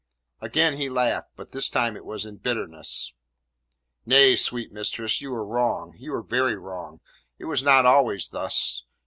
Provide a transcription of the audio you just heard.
Again he laughed, but this time it was in bitterness. "Nay, sweet mistress, you are wrong you are very wrong; it was not always thus.